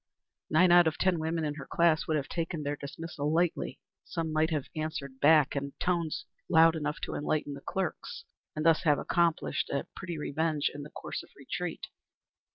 Nine out of ten women of her class would have taken their dismissal lightly. Some might have answered back in tones loud enough to enlighten the clerks, and thus have accomplished a pretty revenge in the course of retreat.